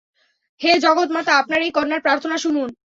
হে জগত-মাতা, আপনার এই কন্যার প্রার্থনা শুনুন।